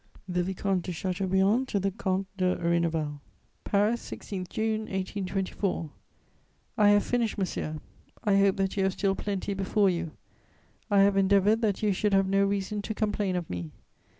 THE VICOMTE DE CHATEAUBRIAND TO THE COMTE DE RAYNEVAL "PARIS, 16 June 1824. "I have finished, monsieur; I hope that you have still plenty before you. I have endeavoured that you should have no reason to complain of me.